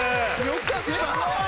よかった！